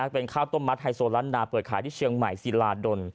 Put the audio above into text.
เป็นข้าวต้มมัดไฮโซล้านนาเปิดขายที่เชียงใหม่ศิลาดล